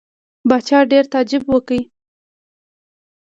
پاچا ډېر تعجب وکړ.